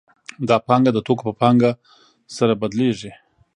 دا پانګه د توکو په پانګه سره بدلېږي